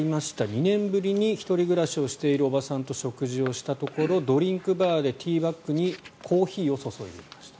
２年ぶりに１人暮らしをしているおばさんと食事をしたところドリンクバーでティーバッグにコーヒーを注いでいました。